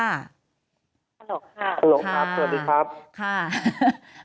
สวัสดีครับ